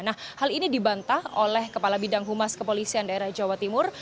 nah hal ini dibantah oleh kepala bidang humas kepolisian daerah jawa timur